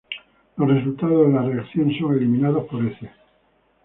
Los resultados de la reacción son eliminados por heces.